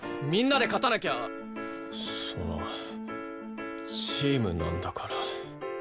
「みんなで勝たなきゃチームなんだから」。